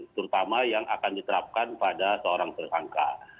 terutama yang akan diterapkan pada seorang tersangka